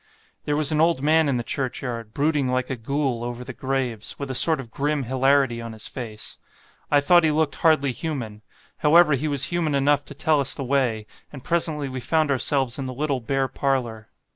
There was an old man in the churchyard, brooding like a Ghoul over the graves, with a sort of grim hilarity on his face. I thought he looked hardly human; however, he was human enough to tell us the way; and presently we found ourselves in the little bare parlour.